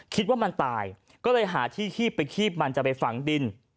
คิดว่ามันตายก็เลยหาที่คีบไปคีบมันจะไปฝังดิน